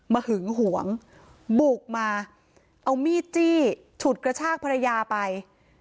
หึงหวงบุกมาเอามีดจี้ฉุดกระชากภรรยาไป